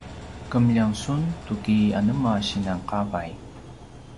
kemljang sun tuki anema sinan qavay?